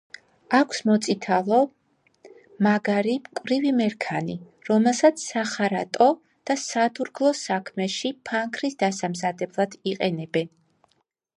აქვს მოწითალო, მაგარი, მკვრივი მერქანი, რომელსაც სახარატო და სადურგლო საქმეში, ფანქრის დასამზადებლად იყენებენ.